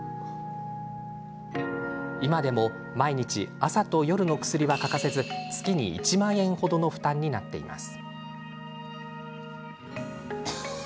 今でも毎日朝と夜の薬は欠かせず月に１万円程の負担になっています。